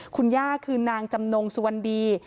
คุณย่าคือนางจำนงสุวรรณดี